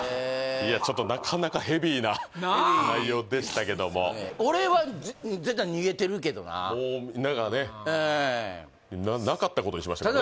いやちょっとなかなかヘビーな内容でしたけどもなあ俺は絶対逃げてるけどなもう何かねええなかったことにしましたからね